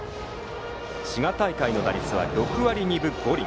滋賀大会の打率は６割２分５厘。